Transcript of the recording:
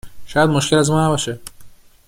شاید مشکل از ما نباشه